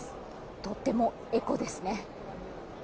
とてもエコですね。